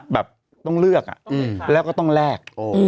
แบบต้องเลือกแล้วก็ต้องแลก